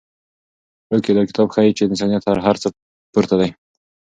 هوکې دا کتاب ښيي چې انسانیت تر هر څه پورته دی.